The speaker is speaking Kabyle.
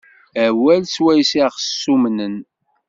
Awal s wayes i ɣ-ssumnen.